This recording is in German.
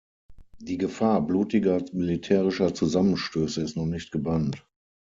Die Gefahr blutiger militärischer Zusammenstöße ist noch nicht gebannt.